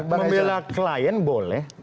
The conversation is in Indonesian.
membela klien boleh